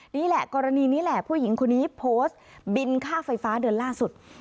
นี่แหละกรณีนี้แหละผู้หญิงคนนี้โพสต์บินค่าไฟฟ้าเดือนล่าสุด